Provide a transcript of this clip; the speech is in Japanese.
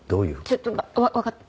ちょっとわかった。